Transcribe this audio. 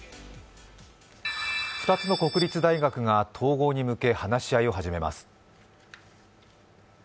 ２つの国立大学が統合に向け話し合いを始めます。